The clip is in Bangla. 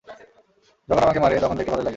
যখন আমাকে মারে তখন দেখতে ভালোই লাগে।